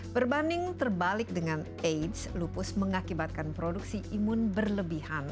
berbanding terbalik dengan aids lupus mengakibatkan produksi imun berlebihan